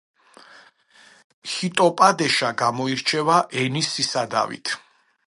ჰიტოპადეშა გამოირჩევა ენის სისადავით.